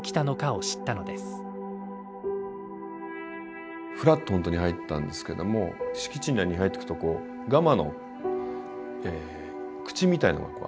ふらっとほんとに入ったんですけども敷地内に入っていくとガマの口みたいなのがあってね